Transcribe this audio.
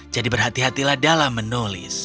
jadi berhati hatilah dalam menulis